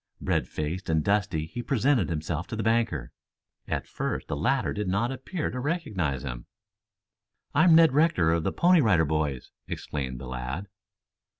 Red faced and dusty he presented himself to the banker. At first the latter did not appear to recognize him. "I am Ned Rector of the Pony Rider Boys," explained the lad.